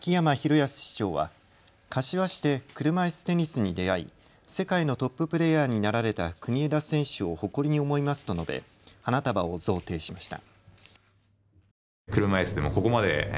保市長は柏市で車いすテニスに出会い、世界のトッププレイヤーになられた国枝選手を誇りに思いますと述べ花束を贈呈しました。